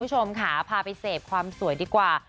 คุณผู้ชมค่ะพาไปเสพความสวยดีกว่า